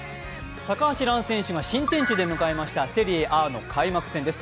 高橋藍選手が新天地で迎えましたセリエＡの開幕戦です。